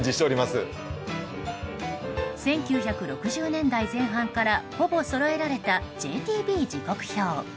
１９６０年代前半からほぼそろえられたＪＴＢ時刻表。